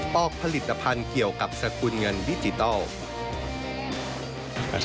อกผลิตภัณฑ์เกี่ยวกับสกุลเงินดิจิทัล